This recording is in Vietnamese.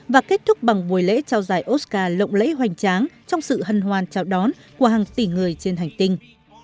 và kết thúc bằng buổi lễ trao giải oscar lộng lễ hoành tráng trong sự hân hoàn trao đón của hàng tỷ người trên hành tinh